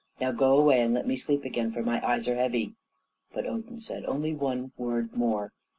"Now go away and let me sleep again, for my eyes are heavy." But Odin said, "Only one word more.